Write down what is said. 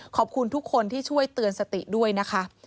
ขอบคุณทุกคนที่ช่วยเตือนสติด้วยนะคะ